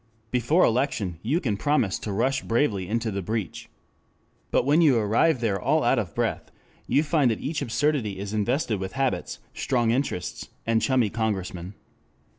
Before election you can promise to rush bravely into the breach. But when you arrive there all out of breath, you find that each absurdity is invested with habits, strong interests, and chummy Congressmen.